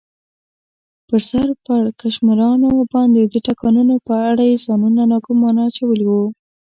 پر سر پړکمشرانو باندې د ټکانونو په اړه یې ځانونه ناګومانه اچولي و.